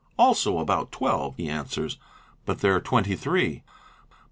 "Also about 12," he answers. But there are twenty three.